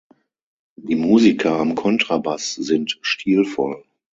Die Musiker am Kontrabass sind stilvoll.